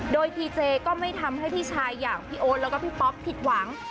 โดยพีเจก็ไม่ทำให้พี่ชายอย่างพี่โอ๊ตแล้วก็พี่ป๊อปผิดหวัง